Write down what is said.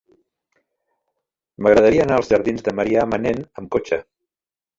M'agradaria anar als jardins de Marià Manent amb cotxe.